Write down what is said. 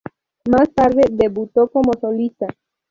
Más tarde debutó como solista.